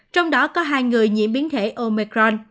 trong đó có hai người diễn biến thể omicron